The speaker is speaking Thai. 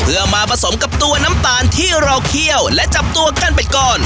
เพื่อมาผสมกับตัวน้ำตาลที่เราเคี่ยวและจับตัวกันไปก่อน